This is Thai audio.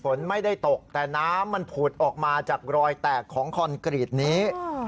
ฝนไม่ได้ตกแต่น้ำมันผุดออกมาจากรอยแตกของคอนกรีตนี้